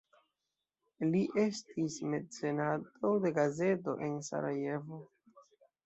Li estis mecenato de gazeto en Sarajevo.